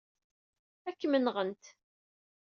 Ad kem-nɣent.